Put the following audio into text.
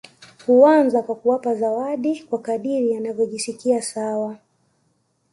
Huanza kwa kuwapa zawadi kwa kadri anavyojisikia sawa